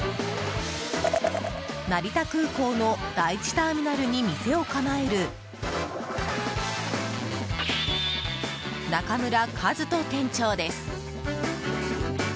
成田空港の第１ターミナルに店を構える中村一登店長です。